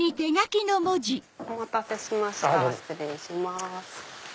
お待たせしました失礼します。